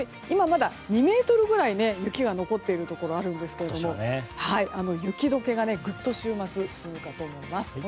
今まだ２ｍくらい雪が残っているところがあるんですけれども雪解けがぐっと週末に進むと思います。